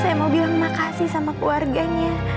saya mau bilang makasih sama keluarganya